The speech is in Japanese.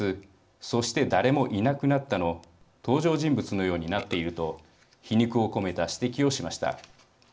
『そして誰もいなくなった』の登場人物のようになっている」と皮肉を込めた指摘をしました。